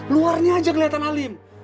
luarnya aja keliatan alim